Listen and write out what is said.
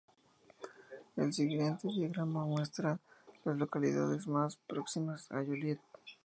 El siguiente diagrama muestra a las localidades más próximas a Joliet.